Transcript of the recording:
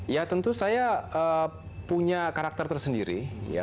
ya tentu saya punya karakter tersendiri